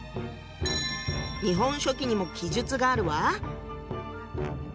「日本書紀」にも記述があるわ。